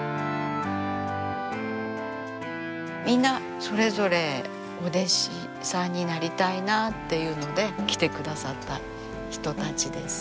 みんなそれぞれお弟子さんになりたいなっていうので来てくださった人たちです。